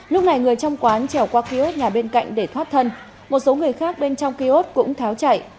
lúc này người trong quán trèo qua kiosk nhà bên cạnh để thoát thân một số người khác bên trong kiosk cũng tháo chạy